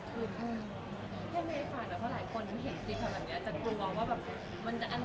ทานแล้วเพื่อลดอ่ำดันตัวชีวิต